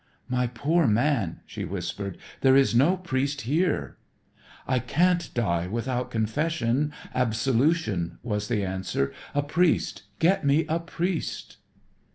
"My poor man," she whispered, "there is no priest here." "I can't die without confession absolution," was the answer. "A priest, get me a priest."